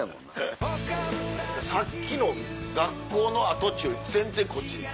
さっきの学校の跡地より全然こっちいい。